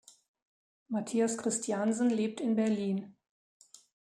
Mathias Christiansen lebt in Berlin.